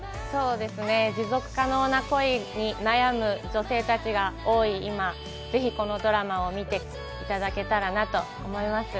持続可能な恋に悩む女性たちが多い今是非このドラマを見ていただけたらなと思います。